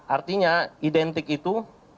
artinya identik itu